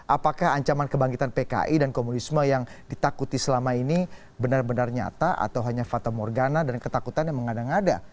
apakah ancaman kebangkitan pki dan komunisme yang ditakuti selama ini benar benar nyata atau hanya fata morgana dan ketakutan yang mengada ngada